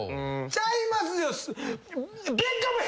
ちゃいますよ。